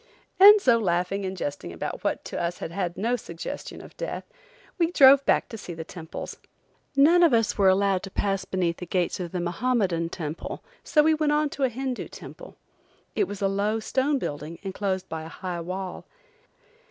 And so laughing and jesting about what had to us no suggestion of death, we drove back to see the temples. None of us were permitted to pass beneath the gate of the Mahommedan temple, so we went on to a Hindoo temple. It was a low stone building, enclosed by a high wall.